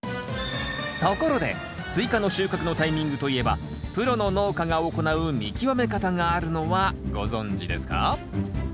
ところでスイカの収穫のタイミングといえばプロの農家が行う見極め方があるのはご存じですか？